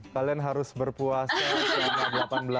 kalian harus berpuasa